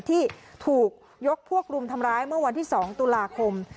ที่ถูกยกพวกรุมทำร้ายเมื่อวันที่๒ตุลาคม